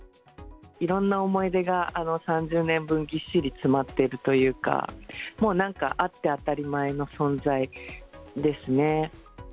いろんな思い出が３０年分ぎっしり詰まっているというか、もうなんか、あって当たり前の存在ですね。